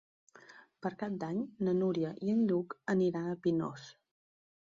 Per Cap d'Any na Núria i en Lluc aniran a Pinós.